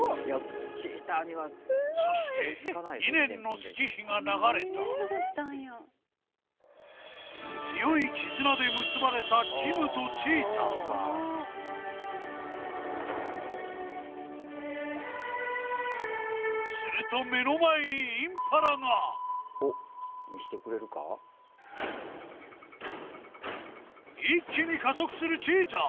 そして２年の月日が流れた強い絆で結ばれたキムとチーターすると目の前にインパラが一気に加速するチーター